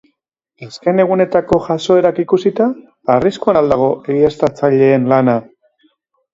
Azken egunetako jazoerak ikusita, arriskuan al dago egiaztatzaileen lana?